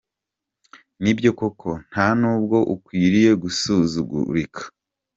Ni byo koko nta n’ubwo ukwiriye gusuzugurika.